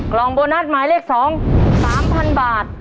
กล่องโบนัสหมายเลข๒๓๐๐๐บาท